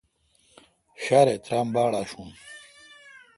ݭارےترام باڑ آشوں۔